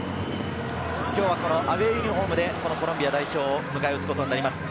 今日はこのアウェーユニホームでコロンビア代表を迎え打つことになります。